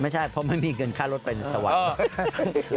ไม่ใช่เพราะไม่มีการค่ารถสระหวัด